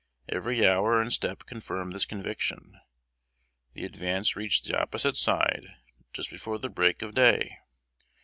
Every hour and step confirmed this conviction. The advance reached the opposite side just before the break of day.